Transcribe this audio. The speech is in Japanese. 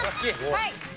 はい。